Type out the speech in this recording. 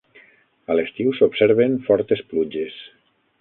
A l'estiu s'observen fortes pluges.